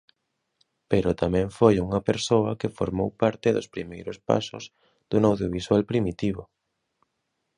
Pero tamén foi unha persoa que formou parte dos primeiros pasos dun audiovisual primitivo.